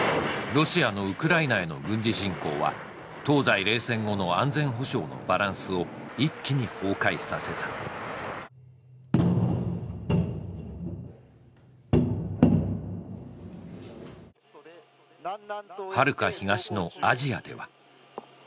ロシアのウクライナへの軍事侵攻は東西冷戦後の安全保障のバランスを一気に崩壊させたはるか東のアジアでは・